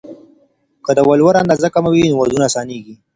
که د ولور اندازه کمه وي، نو ودونه اسانېږي.